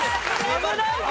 危ないぞ！